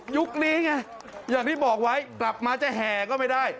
นี้ไงอย่างที่บอกไว้กลับมาจะแห่ก็ไม่ได้